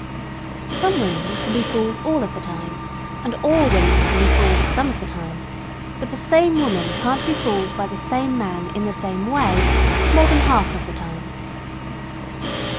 Some women can be fooled all of the time, and all women can be fooled some of the time, but the same woman can't be fooled by the same man in the same way more than half of the time.